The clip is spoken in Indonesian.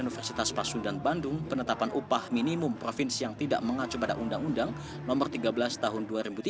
universitas pasundan bandung penetapan upah minimum provinsi yang tidak mengacu pada undang undang no tiga belas tahun dua ribu tiga